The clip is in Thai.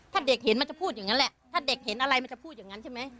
ถ้าเด็กเห็นมันจะพูดอย่างนั้นแหละถ้าเด็กเห็นอะไรมันจะพูดอย่างนั้นใช่ไหม